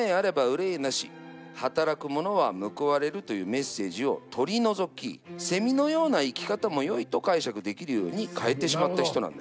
「働くものは報われる」というメッセージを取り除き「セミのような生き方も良い」と解釈できるように変えてしまった人なんですね。